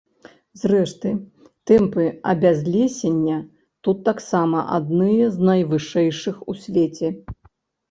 Зрэшты, тэмпы абязлесення тут таксама адныя з найвышэйшых у свеце.